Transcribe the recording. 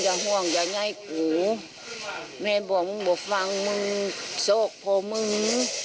ห่วงอย่าไงกูแม่บอกมึงบอกฟังมึงโศกพ่อมึง